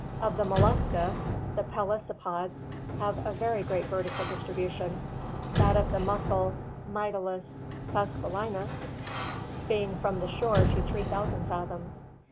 Of the Mollusca, the Pelecy poda have a very great vertical distribution, that of the mussel Mytilus phascolinus being from the shore to 3000 fathoms.